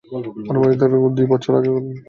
আনুমানিক দেড়-দুই বছর আগের ঘটনা।